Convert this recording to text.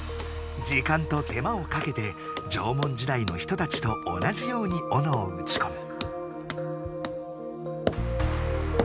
時間と手間をかけて縄文時代の人たちと同じようにオノをうちこむ。